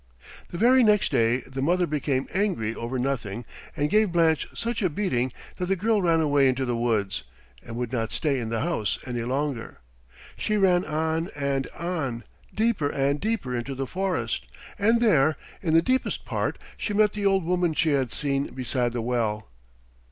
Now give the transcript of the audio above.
The very next day the mother became angry over nothing and gave Blanche such a beating that the girl ran away into the woods; she would not stay in the house any longer. She ran on and on, deeper and deeper into the forest, and there, in the deepest part, she met the old woman she had seen beside the well.